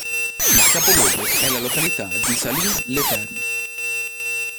Il capoluogo è la località di Salins-les-Thermes.